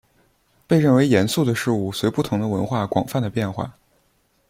被认为严肃的事物随不同的文化广泛地变化。